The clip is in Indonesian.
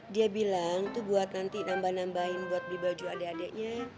dia bilang tuh buat nanti nambah nambahin buat di baju adek adeknya